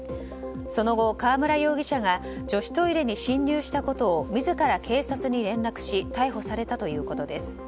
その後、川村容疑者が女子トイレに侵入したことを自ら警察に連絡し逮捕されたということです。